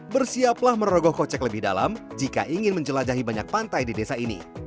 bersiaplah merogoh kocek lebih dalam jika ingin menjelajahi banyak pantai di desa ini